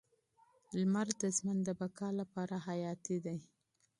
لمر د ژوند د بقا لپاره حیاتي دی.